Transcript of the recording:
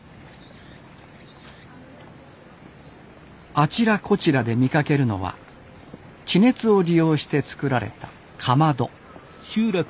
あちらこちらで見かけるのは地熱を利用して作られたかまど。